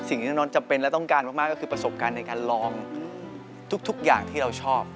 สิ่งที่น้องจำเป็นและต้องการมากก็คือประสบการณ์ในการลองทุกอย่างที่เราชอบ